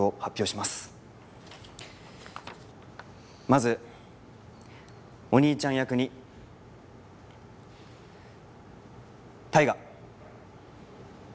まずお兄ちゃん役に大我！